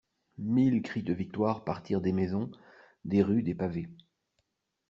Mille cris de victoire partirent des maisons, des rues des pavés.